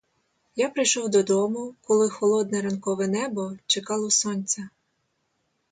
Я прийшов до дому, коли холодне ранкове небо чекало сонця.